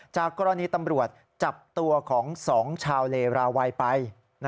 จากกรณีตำรวจจับตัวของ๒ชาวเลราวัยไป